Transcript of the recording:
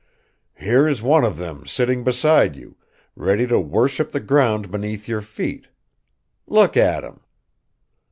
Here is one of them sitting beside you, ready to worship the ground beneath your feet. Look at him.